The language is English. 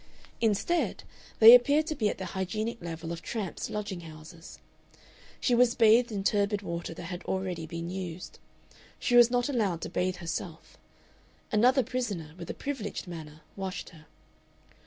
Instead, they appeared to be at the hygienic level of tramps' lodging houses. She was bathed in turbid water that had already been used. She was not allowed to bathe herself: another prisoner, with a privileged manner, washed her.